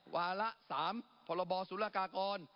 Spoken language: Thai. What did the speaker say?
วาระ๓พรบสุรกากร